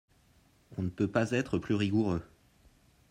On ne peut pas être plus rigoureux